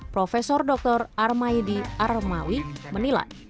prof dr armaidi armawi menilai